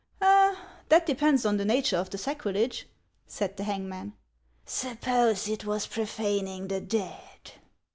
" That depends on the nature of the sacrilege," said the hangman. " Suppose it was profaning the dead